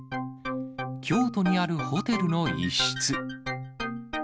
京都にあるホテルの一室。